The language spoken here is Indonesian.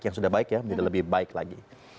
yang sudah baik ya menjadi lebih baik lagi